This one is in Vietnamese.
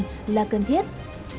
là tất cả những người không sợ